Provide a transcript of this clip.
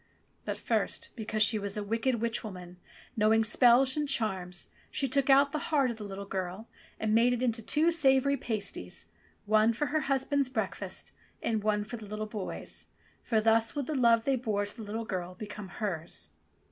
'* But first, because she was a wicked witch woman, know ing spells and charms, she took out the heart of the little girl and made it into two savoury pasties, one for her hus band's breakfast and one for the little boy's, for thus would the love they bore to the little girl become hers.